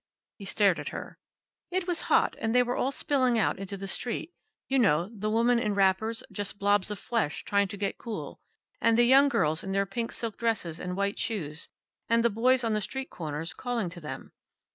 He stared at her. "It was hot, and they were all spilling out into the street. You know, the women in wrappers, just blobs of flesh trying to get cool. And the young girls in their pink silk dresses and white shoes, and the boys on the street corners, calling to them.